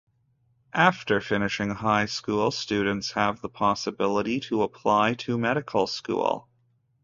After finishing high school, students have the possibility to apply to medical school.